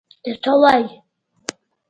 ته څه وایې!؟